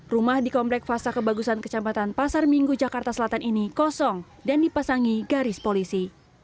rumah di komplek fasa kebagusan kecamatan pasar minggu jakarta selatan ini kosong dan dipasangi garis polisi